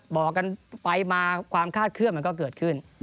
บอกกันไปมาความคาดเคลื่อนมันก็เกิดขึ้น